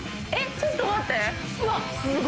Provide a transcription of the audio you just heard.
ちょっと待ってうわ。